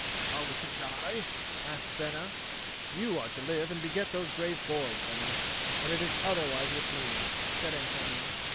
"Are we to die?" asked Bena. "You are to live and beget those brave boys, Bena. But it is otherwise with me," said Antonio.